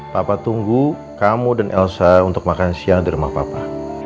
papa tunggu kamu dan elsa untuk makan siang di rumah papa